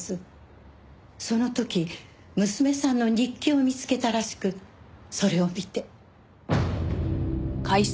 その時娘さんの日記を見つけたらしくそれを見て。